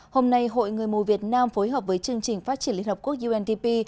hôm nay hội người mù việt nam phối hợp với chương trình phát triển liên hợp quốc undp